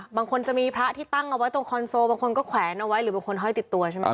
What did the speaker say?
บางคนจะมีพระที่ตั้งเอาไว้ตรงคอนโซลบางคนก็แขวนเอาไว้หรือบางคนห้อยติดตัวใช่ไหม